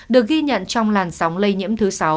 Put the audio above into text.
được ghi nhận trong làn sóng lây nhiễm thứ sáu